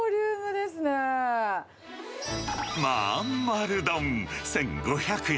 まんまる丼１５００円。